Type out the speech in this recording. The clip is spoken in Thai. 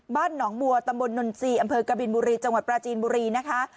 บ้านหนองบัวตำบลนนทรีย์อำเภอกบินบุรีจังหวัดปราจีนบุรีนะคะ